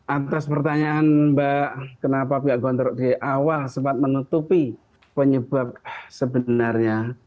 atas pertanyaan mbak kenapa pihak gontrok di awal sempat menutupi penyebab sebenarnya